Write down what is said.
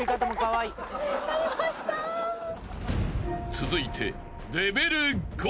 ［続いて］